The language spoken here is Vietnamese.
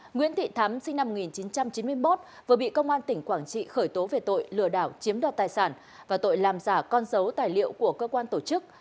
nguyễn thị thắm sinh năm một nghìn chín trăm chín mươi một vừa bị công an tỉnh quảng trị khởi tố về tội lừa đảo chiếm đoạt tài sản và tội làm giả con dấu tài liệu của cơ quan tổ chức